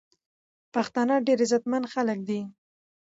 پښتانه ډیر عزت مند خلک دی.